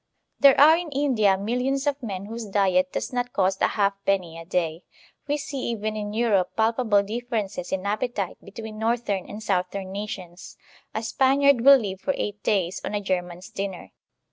There are in India millions of men whose diet does not cost a half penny a day. We see even in Europe palpa ble differences in appetite between northern and south em nations. A Spaniard will live for eight days on a German's dinner.